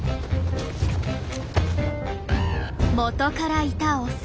元からいたオス。